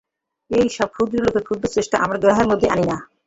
এই সব ক্ষুদ্র লোকের ক্ষুদ্র চেষ্টা আমরা গ্রাহ্যের মধ্যেই আনি না।